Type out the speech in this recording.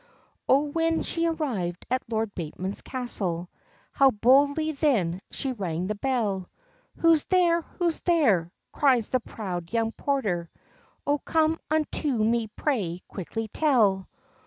O when she arrived at Lord Bateman's castle, How boldly then she rang the bell! "Who's there? who's there?" cries the proud young porter, "O come unto me pray quickly tell."